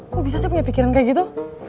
kok bisa saya punya pikiran kayak gitu